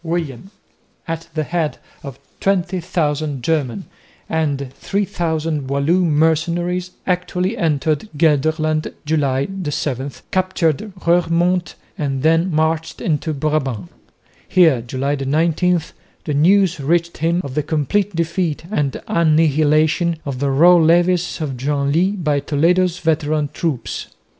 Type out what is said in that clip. William at the head of 20,000 German and 3000 Walloon mercenaries actually entered Gelderland (July 7), captured Roeremonde and then marched into Brabant. Here (July 19) the news reached him of the complete defeat and annihilation of the raw levies of Genlis by Toledo's veteran troops.